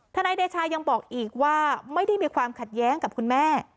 นายเดชายังบอกอีกว่าไม่ได้มีความขัดแย้งกับคุณแม่